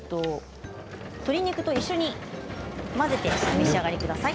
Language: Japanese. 鶏肉と一緒に混ぜて召し上がりください。